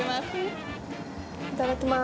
いただきます。